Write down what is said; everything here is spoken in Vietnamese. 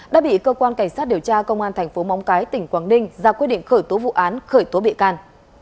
đã bị cơ quan cảnh sát điều tra công an thành phố móng cái tỉnh quảng ninh ra quyết định khởi tố vụ án khởi tố bị can